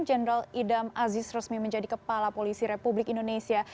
jenderal idam aziz resmi menjadi kepala polisi republik indonesia